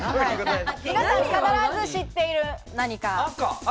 皆さん必ず知っている何か。